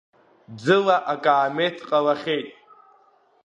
Ӡыла акаамеҭ ҟалахьеит.